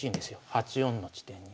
８四の地点に。